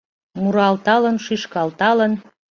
Муралталын-шӱшкалталын